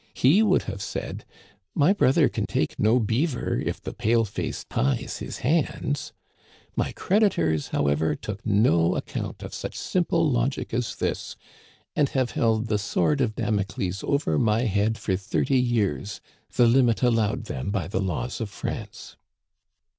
He would have said :* My brother can take no beaver if the pale face ties his hands.' My creditors, however, took no account of such simple logic as this, and have held the sword of Damocles over my head for thirty years, the limit allowed them by the laws of France."